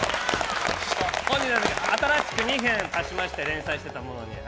新しく２編足しまして連載していたものに。